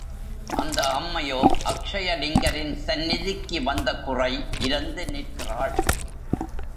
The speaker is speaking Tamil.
அந்த அம்மையோ அக்ஷய லிங்கரின் சந்நிதிக்கு வந்த குறை இரந்து நிற்கிறாள்.